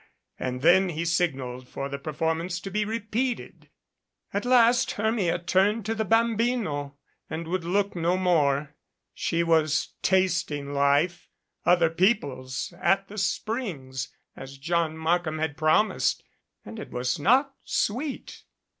And then he signaled for the performance to be repeated. At last Hermia turned to the bambino and would look no more. She was tasting life, other people's, at the springs, as John Mark ham had promised, and it was not sweet.